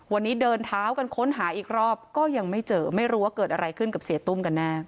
วันนี้เดินเท้ากันค้นหาอีกรอบก็ยังไม่เจอไม่รู้ว่าเกิดอะไรขึ้นกับเสียตุ้มกันแน่